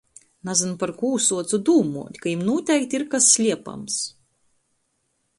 Nazyn parkū suocu dūmout, ka jim nūteikti ir kas sliepams!